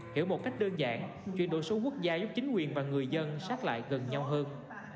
hiểu một cách đơn giản chuyển đổi số quốc gia giúp chính quyền và người dân sát lại gần nhau hơn